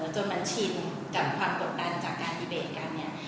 จนมันชินกับความตกตันจากการดีเบตกัน